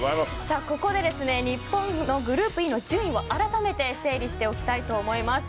ここで日本のグループＥの順位を改めて整理しておきたいと思います。